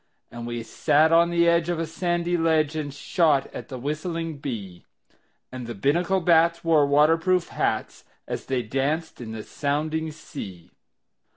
And we sat on the edge of a sandy ledge And shot at the whistling bee; And the Binnacle bats wore water proof hats As they danced in the sounding sea.